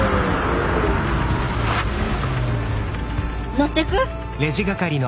乗ってく？